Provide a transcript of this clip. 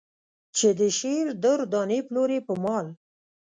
چې د شعر در دانې پلورې په مال.